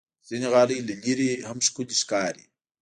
ځینې غالۍ له لرې نه هم ښکلي ښکاري.